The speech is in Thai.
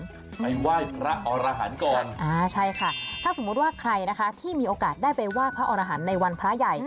ไปไหว้พระอรหันต์ก่อนอ่าใช่ค่ะถ้าสมมุติว่าใครนะคะที่มีโอกาสได้ไปไหว้พระอรหันธ์ในวันพระใหญ่